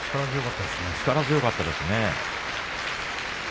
力強かったですね。